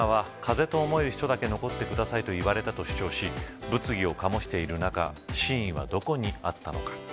キャストは、コロナは風邪と思える人だけ残ってくださいと言われたと主張し物議を醸している中真意はどこにあったのか。